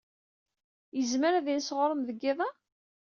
Yezmer ad yens ɣer-m deg yiḍ-a?